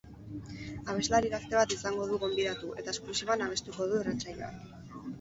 Abeslari gazte bat izango du gonbidatu eta esklusiban abestuko du irratsaioan.